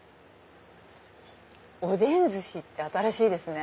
おでん寿司って新しいですね。